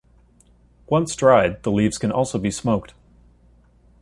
Once dried, the leaves can also be smoked.